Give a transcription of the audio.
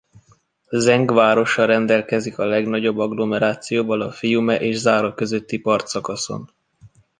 Zengg városa rendelkezik a legnagyobb agglomerációval a Fiume és Zára közötti partszakaszon.